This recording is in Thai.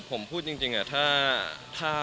ผมพูดจริงถ้า